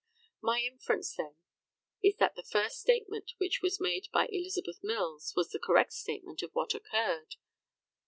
My inference, then, is that the first statement which was made by Elizabeth Mills was the correct statement of what occurred.